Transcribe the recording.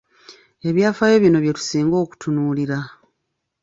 Ebyafaaayo bino bye tusinga okutunuulira.